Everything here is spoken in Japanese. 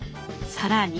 更に。